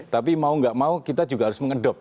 tapi mau nggak mau kita juga harus mengadopsi